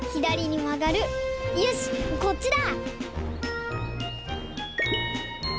よしこっちだ！